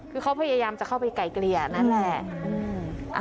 คุยพยายามจะเข้าไปไก่เกลี่ยวนั้นแหละ